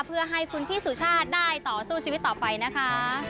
เพื่อให้คุณพี่สุชาติได้ต่อสู้ชีวิตต่อไปนะคะ